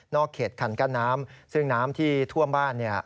เขตคันกั้นน้ำซึ่งน้ำที่ท่วมบ้านเนี่ย